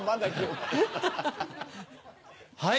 はい！